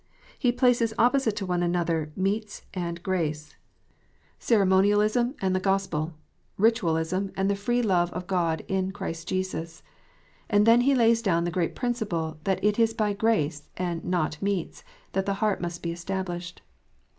He places opposite to one another "meats" and "grace," DIVERS AND STRANGE DOCTRINES. 355 Ceremonialism and the Gospel Ritualism and the free love of God in Christ Jesus. And then he lays down the great principle that it is by " grace," and " not meats," that the heart must be established.